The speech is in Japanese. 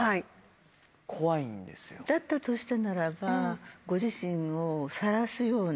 だったとしたならば。